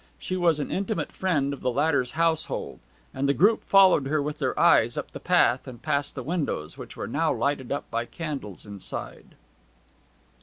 She was an intimate friend of the latter's household, and the group followed her with their eyes up the path and past the windows, which were now lighted up by candles inside.